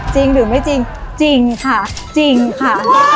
จริงหรือไม่จริงจริงค่ะจริงค่ะ